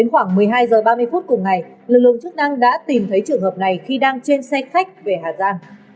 khoảng một mươi hai h ba mươi phút cùng ngày lực lượng chức năng đã tìm thấy trường hợp này khi đang trên xe khách về hà giang